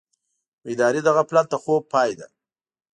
بیداري د غفلت د خوب پای ده.